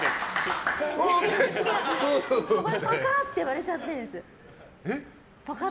ぱかって割れちゃってるんです。